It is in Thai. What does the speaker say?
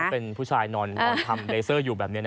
เป็นผู้ชายนอนทำเลเซอร์อยู่แบบนี้